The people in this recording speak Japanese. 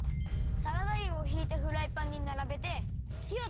サラダ油をひいたフライパンにならべてひをつけます。